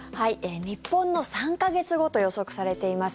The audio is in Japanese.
日本の３か月後と予測されています